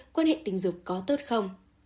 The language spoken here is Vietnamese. hai quan hệ tình dục có tốt không